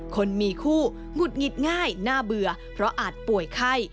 คนมีคู่หงุดหงิดง่ายน่าเบื่อเพราะอาจป่วยไข้